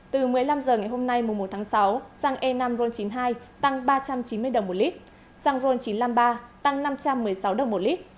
từ một mươi năm h ngày hôm nay mùa một tháng sáu xăng e năm ron chín mươi hai tăng ba trăm chín mươi đồng một lít xăng ron chín trăm năm mươi ba tăng năm trăm một mươi sáu đồng một lít